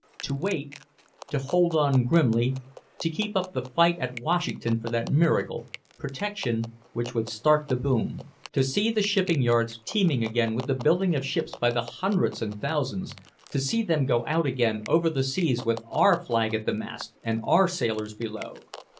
To wait, to hold on grimly, to keep up the fight at Washington for that miracle, Protection, which would start the boom. To see the shipping yards teeming again with the building of ships by the hundreds and thousands, to see them go out again over the seas with our flag at the mast and our sailors below.